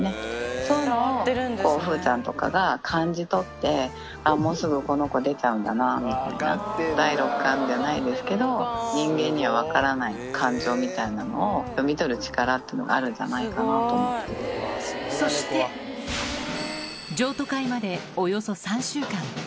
そういうのを風ちゃんとかが感じ取って、ああ、もうすぐこの子出ちゃうんだなみたいな、第六感じゃないですけど、人間には分からない感情みたいなものを読み取る力っていうのがあそして、譲渡会までおよそ３週間。